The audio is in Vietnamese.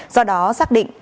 do đó xác định